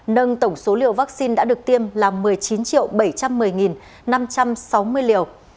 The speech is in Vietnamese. nâng tổng số liều vaccine đã được tiêm là một mươi chín bảy trăm một mươi năm trăm sáu mươi liều